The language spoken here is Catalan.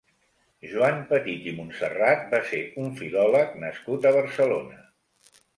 Joan Petit i Montserrat va ser un filòleg nascut a Barcelona.